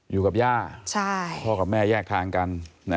อยู่กับย่าพ่อกับแม่แยกทางกัน